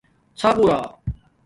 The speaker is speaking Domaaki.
ݼاغݸرا